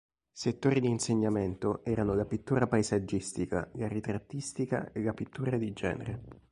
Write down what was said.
Settori di insegnamento erano la pittura paesaggistica, la ritrattistica e la pittura di genere.